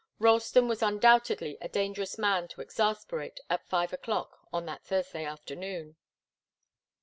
Ralston was undoubtedly a dangerous man to exasperate at five o'clock on that Thursday afternoon.